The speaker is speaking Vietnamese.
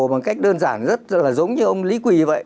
bằng cách đơn giản rất là giống như ông lý quỳ như vậy